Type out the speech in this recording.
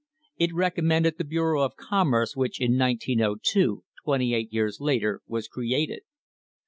It recommended the Bureau of Commerce which, in 1902, twenty eight years later, was created.